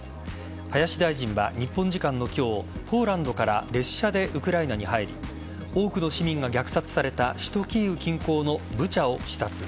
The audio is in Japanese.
林大臣は日本時間の今日ポーランドから列車でウクライナに入り多くの市民が虐殺された首都・キーウ近郊のブチャを視察。